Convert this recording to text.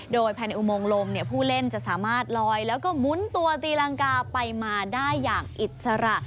โดยภายในอุโมงลมผู้เล่นจะสามารถลอยแล้วก็หมุนตัวตีรังกาไปมาได้อย่างอิสระ